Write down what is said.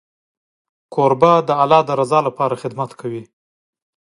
کوربه د الله د رضا لپاره خدمت کوي.